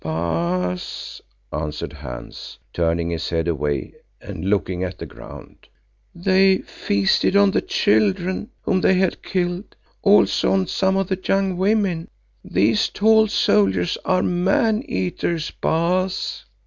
"Baas," answered Hans, turning his head away and looking at the ground, "they feasted on the children whom they had killed, also on some of the young women. These tall soldiers are men eaters, Baas."